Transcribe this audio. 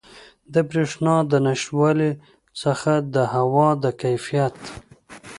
د بریښنا د نشتوالي څخه د هوا د کیفیت